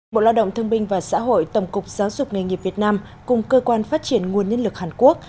bộ lao động thương binh và xã hội tổng cục giáo dục nghề nghiệp việt nam cùng cơ quan phát triển nguồn nhân lực hàn quốc